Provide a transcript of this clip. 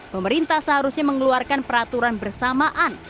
pemerintah seharusnya mengeluarkan peraturan bersamaan